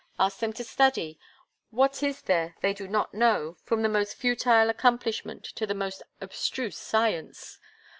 Ask them to study: why, what is there they do not know, from the most futile accomplishment to the most abstruse science?